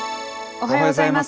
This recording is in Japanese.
おはようございます。